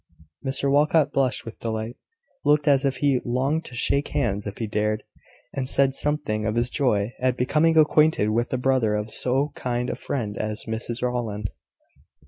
Mr Walcot blushed with delight, looked as if he longed to shake hands if he dared, and said something of his joy at becoming acquainted with the brother of so kind a friend as Mrs Rowland.